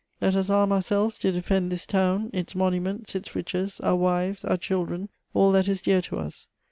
Let us arm ourselves to defend this town, its monuments, its riches, our wives, our children, all that is dear to us.